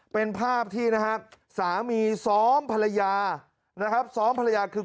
เป็นภาพที่สามีซ้อมภรรยา